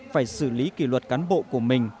phải xử lý kỷ luật cán bộ của mình